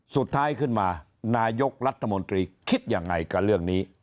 สุดท้ายขึ้นมานายกรัฐมนตรีคิดยังไงกับเรื่องนี้